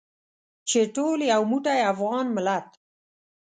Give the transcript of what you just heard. چې ټول یو موټی افغان ملت.